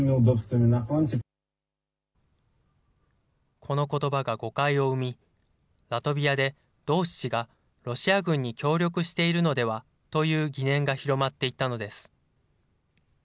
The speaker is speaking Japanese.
このことばが誤解を生み、ラトビアでドーシチがロシア軍に協力しているのではという疑念が広まっていったのです。